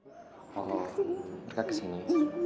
oh mereka kesini